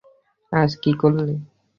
আজ কী করলি?